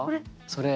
それ。